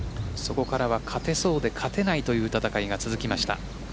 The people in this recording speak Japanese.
そこから若手層で勝てないという戦いが続きました。